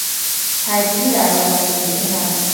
تردیدی در راستگویی او نبود.